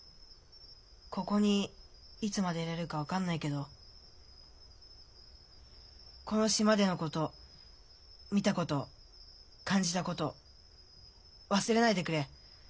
ここにいつまでいられるか分からないけどこの島でのこと見たこと感じたこと忘れないでくれ。